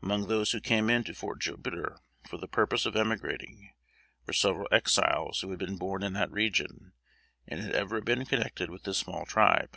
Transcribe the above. Among those who came in to Fort Jupiter for the purpose of emigrating, were several Exiles who had been born in that region, and had ever been connected with this small tribe.